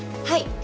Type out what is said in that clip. はい。